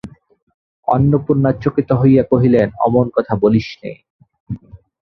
অন্নপূর্ণা চকিত হইয়া কহিলেন, অমন কথা বলিস নে।